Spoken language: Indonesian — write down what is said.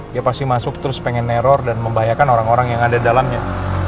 dia pasti masuk terus pengen teror dan membahayakan orang orang yang ada dalamnya